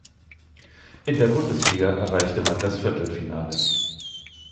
In der Bundesliga erreichte man das Viertelfinale.